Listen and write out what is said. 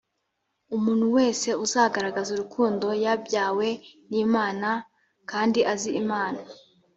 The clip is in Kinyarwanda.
umuntu wese ugaragaza urukundo yabyawe n imana s kandi azi imana